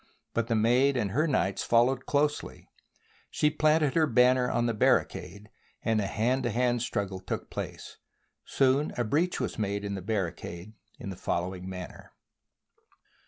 But the Maid and her knights followed closely, she planted her banner on the barricade, and a hand to hand struggle took place. Soon a breach was made in the barricade in the following manner.